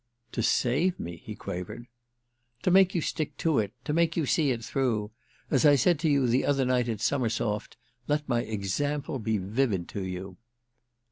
"To 'save' me?" he quavered. "To make you stick to it—to make you see it through. As I said to you the other night at Summersoft, let my example be vivid to you."